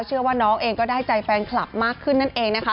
เชื่อว่าน้องเองก็ได้ใจแฟนคลับมากขึ้นนั่นเองนะคะ